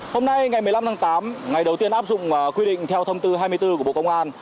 hôm nay ngày một mươi năm tháng tám ngày đầu tiên áp dụng quy định theo thông tư hai mươi bốn của bộ công an